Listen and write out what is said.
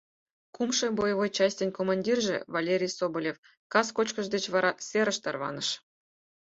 Кумшо боевой частьын командирже Валерий Соболев кас кочкыш деч вара серыш тарваныш.